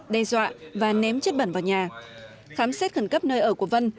đe dọa và ném chất bẩn vào nhà khám xét khẩn cấp nơi ở của vân